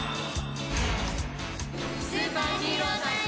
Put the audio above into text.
スーパーヒーロータイム！